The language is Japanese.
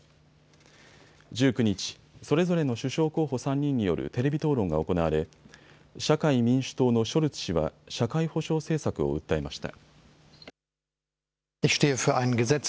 １９日、それぞれの首相候補３人によるテレビ討論が行われ社会民主党のショルツ氏は社会保障政策を訴えました。